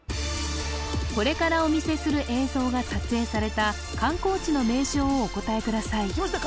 これからお見せする映像が撮影された観光地の名称をお答えくださいきました